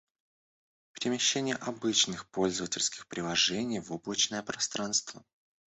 Перемещение обычных пользовательских приложений в облачное пространство.